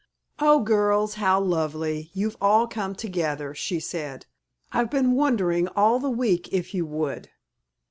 "O girls, how lovely! You've all come together," she said. "I've been wondering all the week if you would."